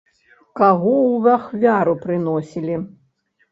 Каго ў ахвяру прыносілі?